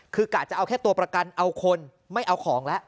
คือกะจะเอาแค่ตัวประกันเอาคนไม่เอาของแล้ว